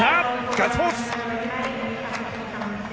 ガッツポーズ！